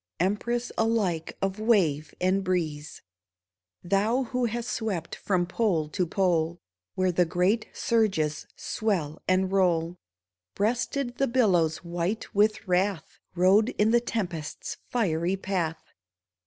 Empress alike of wave and breeze ; Thou who hast swept from pole to pole, Where the great surges swell and roll ; Breasted the billows white with wrath, Rode in the tempest's fiery path.